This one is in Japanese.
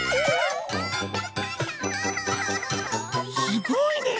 すごいね！